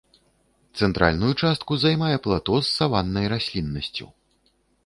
Цэнтральную частку займае плато з саваннай расліннасцю.